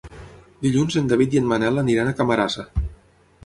Dilluns en David i en Manel aniran a Camarasa.